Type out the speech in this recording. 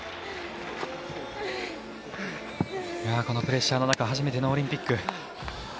このプレッシャーの中初めてのオリンピック。